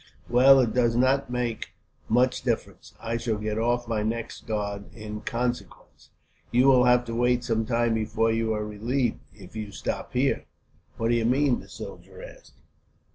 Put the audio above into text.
"Well, it does not make much difference. I shall get off my next guard, in consequence." "You will have to wait some time before you are relieved, if you stop here." "What do you mean?" the soldier asked.